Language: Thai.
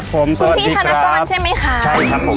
ก็พูดพี่ธนกรแมนใช่ไหมค่ะ